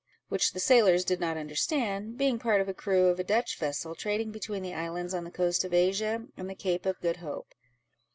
which the sailors did not understand, being part of the crew of a Dutch vessel, trading between the islands on the coast of Asia and the Cape of Good Hope.